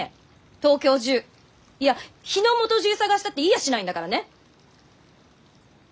東京中いや日の本中探したっていやしないんだからね！